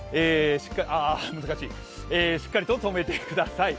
しっかりととめてください。